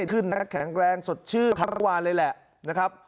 ขึ้นมาแข็งแรงสดชื่อทั้งประวัติวันเลยละนะครับ